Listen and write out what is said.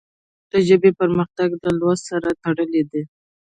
د ژبې پرمختګ له لوست سره تړلی دی.